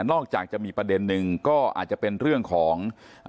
อกจากจะมีประเด็นหนึ่งก็อาจจะเป็นเรื่องของอ่า